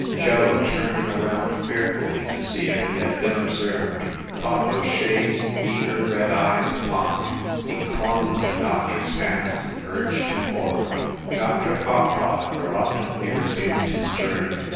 Joe, turning around fearfully to see if he had been observed, caught O Shea s eager red eyes upon him. He clung to the doctor s hands and urged him forward. Dr. Hopbottom reluctantly resumed his journey.